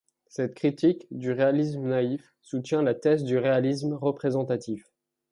Cette critique du réalisme naïf soutient la thèse du réalisme représentatif.